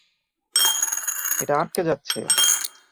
এটা আঁটকে যাচ্ছে।